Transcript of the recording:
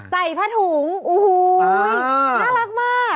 ใส่ผ้าถุงโอ้โหน่ารักมาก